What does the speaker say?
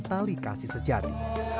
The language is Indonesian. tali kasih sejati